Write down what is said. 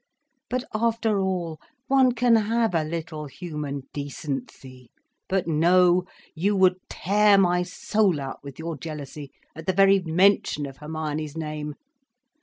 But after all, one can have a little human decency. But no, you would tear my soul out with your jealousy at the very mention of Hermione's name."